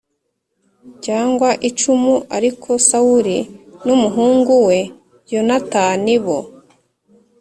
cyangwa icumu Ariko Sawuli n umuhungu we Yonatani bo